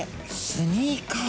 スニーカー？